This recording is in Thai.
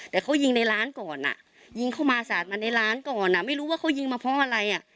แต่เขายิงในร้านก่อนอ่ะยิงเข้ามาสาดมาในร้านก่อนอ่ะไม่รู้ว่าเขายิงมาเพราะอะไรอ่ะ